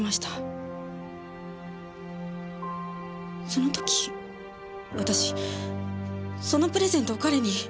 その時私そのプレゼントを彼に。